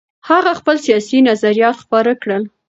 هغه خپل سیاسي نظریات خپاره کړل.